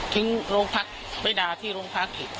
ทิ้งโรงพักษณ์ไปด่าที่โรงพักษณ์